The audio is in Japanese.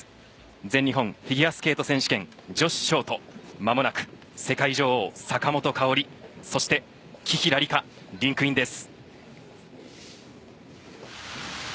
全日本フィギュアスケート選手権女子ショート間もなく世界女王・坂本花織そして紀平梨花、リンクインです。